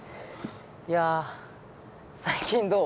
いや最近どう？